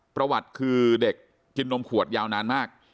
ประวัติคือเด็กกินนมขวดยาวนานมาก